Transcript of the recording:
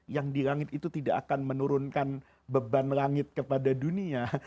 yang di langit itu tidak akan menurunkan beban langit kepada dunia